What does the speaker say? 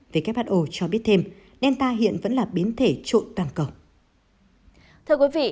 who cho biết thêm delta hiện vẫn là biến thể trộn toàn cầu